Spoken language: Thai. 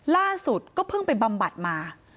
ล่าสุดก็เพิ่งไปบำบัดมา